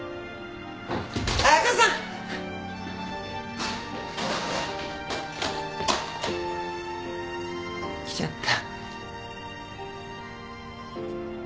彩佳さん！来ちゃった。